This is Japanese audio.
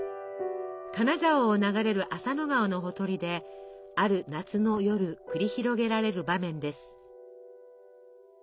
金沢を流れる浅野川のほとりである夏の夜繰り広げられる場面です。